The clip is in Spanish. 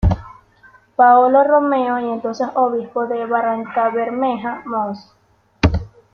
Paolo Romeo y entonces Obispo de Barrancabermeja Mons.